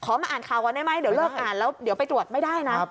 มาอ่านข่าวก่อนได้ไหมเดี๋ยวเลิกอ่านแล้วเดี๋ยวไปตรวจไม่ได้นะ